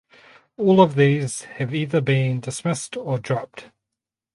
All of these have either been dismissed or dropped.